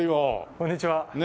こんにちは。